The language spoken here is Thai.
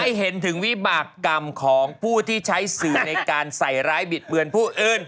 เห็นถึงวิบากรรมของผู้ที่ใช้สื่อในการใส่ร้ายบิดเบือนผู้อื่น